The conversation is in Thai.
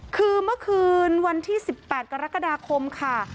คือเมื่อคืนวันที่๑๘กรกฎาคมค่ะ